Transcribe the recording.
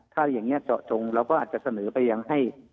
ถ้าอย่างนี้เจาะจงเราก็อาจจะเสนอไปยังให้